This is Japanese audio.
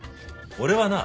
俺はな